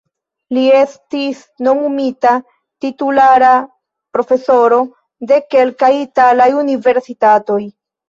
Li estis nomumita titulara profesoro de kelkaj italaj universitatoj.